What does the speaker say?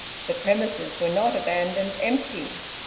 The premises were not abandoned empty.